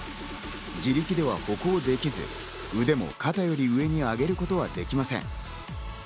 自力では歩行できず腕も肩より上に上げることはできません。